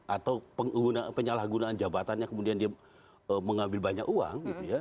atau penyalahgunaan jabatannya kemudian dia mengambil banyak uang